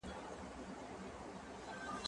دا وخت له هغه ښه دی،